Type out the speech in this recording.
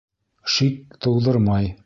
... шик тыуҙырмай